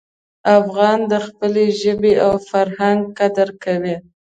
افغان د خپلې ژبې او فرهنګ قدر کوي.